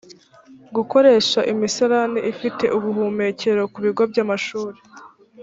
gukoresha imisarani ifite ubuhumekero ku bigo by’amashuri